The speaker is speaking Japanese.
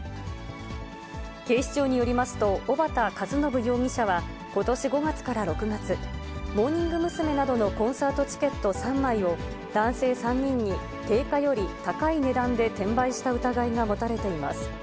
警視庁によりますと、小幡和伸容疑者はことし５月から６月、モーニング娘。などのコンサートチケット３枚を、男性３人に、定価より高い値段で転売した疑いが持たれています。